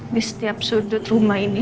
di setiap sudut rumah ini